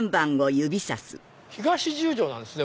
東十条なんですね